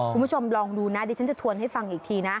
คุณผู้ชมลองดูนะดิฉันจะทวนให้ฟังอีกทีนะ